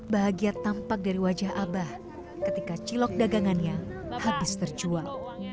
bahagia tampak dari wajah abah ketika cilok dagangannya habis terjual